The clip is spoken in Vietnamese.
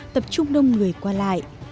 tập trung đông người qua lại